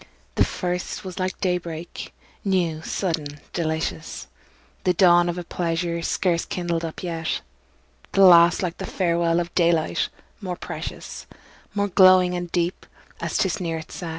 The first was like day break, new, sudden, delicious, The dawn of a pleasure scarce kindled up yet; The last like the farewell of daylight, more precious, More glowing and deep, as 'tis nearer its set.